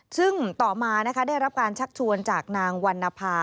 ซึ่งต่อมานะคะได้รับการชักชวนจากนางวรรณภา